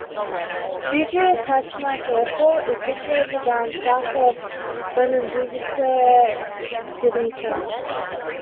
Biju Patnaik Airport is situated around south of the Bhubaneswar city center.